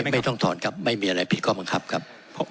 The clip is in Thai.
ไม่ต้องถอนครับไม่มีอะไรผิดข้อบังคับครับ